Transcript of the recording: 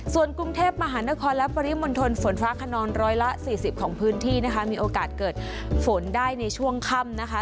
ส่วนกรุงเทพมหานครและปริมณฑลฝนฟ้าขนองร้อยละ๔๐ของพื้นที่นะคะมีโอกาสเกิดฝนได้ในช่วงค่ำนะคะ